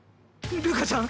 るかちゃん